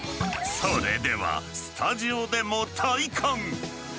それではスタジオでも体感！